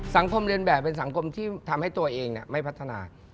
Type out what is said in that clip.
สังคมเรียนแบบเป็นสังคมที่ทำให้ตัวเองไม่พัฒนา